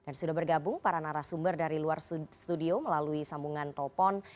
dan sudah bergabung para narasumber dari luar studio melalui sambungan telpon